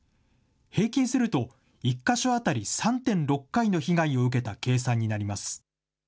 平均すると、１か所当たり３．６回の被害を受けた計算になります。